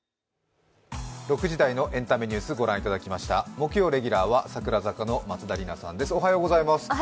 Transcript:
木曜レギュラーは櫻坂の松田里奈さんです。